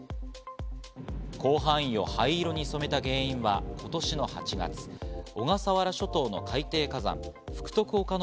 広範囲を灰色に染めた原因は今年の８月、小笠原諸島の海底火山・福徳岡ノ